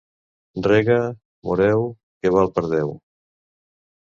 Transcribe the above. Rega, Moreu, que val per deu.